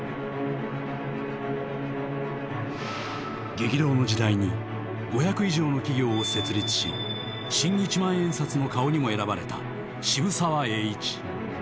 激動の時代に５００以上の企業を設立し新一万円札の顔にも選ばれた渋沢栄一。